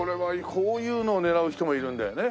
こういうのを狙う人もいるんだよね。